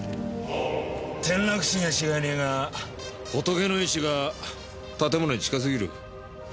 転落死には違いねえが仏の位置が建物に近過ぎる。